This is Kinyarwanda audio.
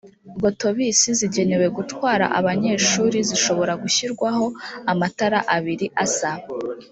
gotobisi zigenewe gutwara abanyeshuri zishobora gushyirwaho amatara abiri asa